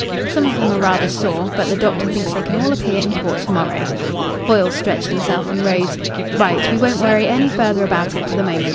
"Some of them are rather sore, but the doctor thinks they can all appear in court to morrow." Foyle stretched himself and rose. "Right. We won't worry any further about it for the moment.